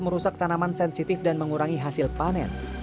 merusak tanaman sensitif dan mengurangi hasil panen